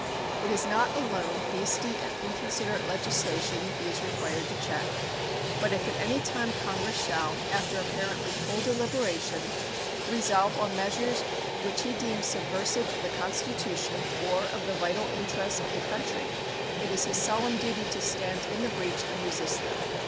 It is not alone hasty and inconsiderate legislation that he is required to check; but if at any time Congress shall, after apparently full deliberation, resolve on measures which he deems subversive of the Constitution or of the vital interests of the country, it is his solemn duty to stand in the breach and resist them.